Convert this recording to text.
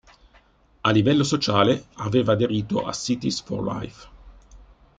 A livello sociale aveva aderito a Cities for Life.